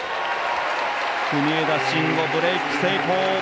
国枝慎吾、ブレーク成功。